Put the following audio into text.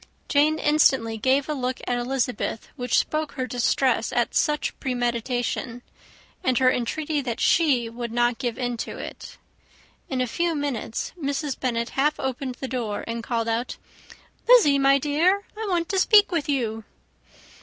Jane instantly gave a look at Elizabeth which spoke her distress at such premeditation, and her entreaty that she would not give in to it. In a few minutes, Mrs. Bennet half opened the door and called out, "Lizzy, my dear, I want to speak with you."